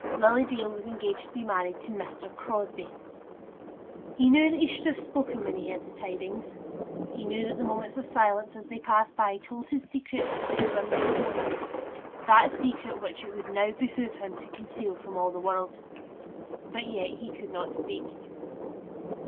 Lily Dale was engaged to be married to Mr. Crosbie! He knew that he should have spoken when he heard the tidings. He knew that the moments of silence as they passed by told his secret to the two women before him, that secret which it would now behove him to conceal from all the world. But yet he could not speak.